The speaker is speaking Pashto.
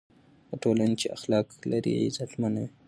هغه ټولنه چې اخلاق لري، عزتمنه وي.